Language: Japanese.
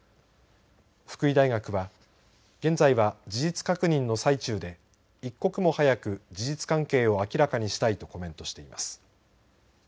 福井大学は現在は事実確認の最中で一刻も早く事実関係を明らかにしたいとコメントしています。